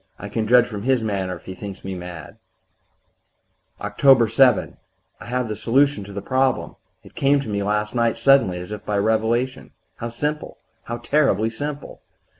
I can judge from his manner if he thinks me mad. "Oct. 7. I have the solution of the problem; it came to me last night suddenly, as by revelation. How simple how terribly simple!